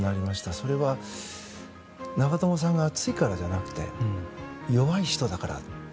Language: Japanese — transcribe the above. それは長友さんが熱いからじゃなくて弱い人だから。